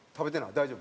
大丈夫？